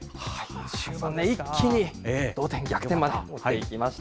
終盤で一気に同点、逆転まで持っていきました。